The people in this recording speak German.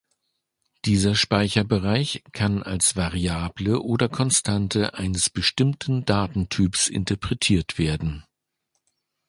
Dieser Speicherbereich kann als Variable oder Konstante eines bestimmten Datentyps interpretiert werden.